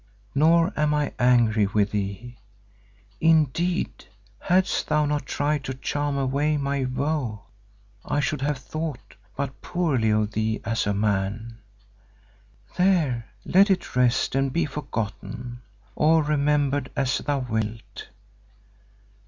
"Nor am I angry with thee; indeed, hadst thou not tried to charm away my woe, I should have thought but poorly of thee as a man. There let it rest and be forgotten—or remembered as thou wilt.